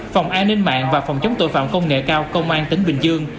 phòng an ninh mạng và phòng chống tội phạm công nghệ cao công an tỉnh bình dương